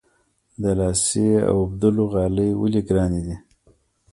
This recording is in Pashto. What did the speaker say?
د لاسي اوبدلو غالۍ ولې ګرانې دي؟